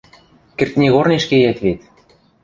– Кӹртнигорнеш кеет вет...